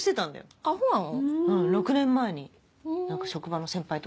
６年前に職場の先輩と。